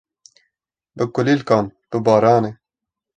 bi kulîlkan, bi baranê.